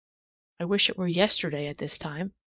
I wish it were yesterday at this time.